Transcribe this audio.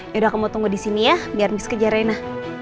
yaudah kamu tunggu disini ya biar miss kejar reina